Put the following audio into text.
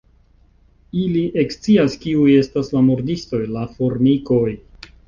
Ili ekscias kiuj estas la murdistoj: la formikoj.